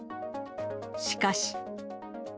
しかし。